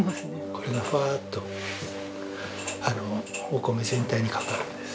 ◆これがふわあっとお米全体にかかるんです。